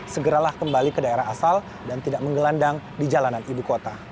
segeralah kembali ke daerah asal dan tidak menggelandang di jalanan ibu kota